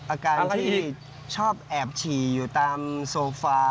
อาการที่ชอบแอบฉี่อยู่ตามโซฟา